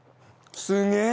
すげえ！